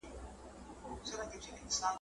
پر بچو د توتکۍ چي یې حمله کړه ,